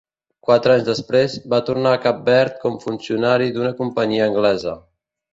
Quatre anys després, va tornar a Cap Verd com funcionari d'una companyia anglesa.